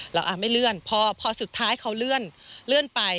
แล้วอ่ะไม่เลื่อนพอสุดท้ายเขาเลื่อนเลื่อนไป